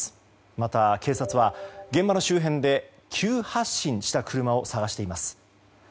また警察は、現場の周辺で急発進した車を捜しています。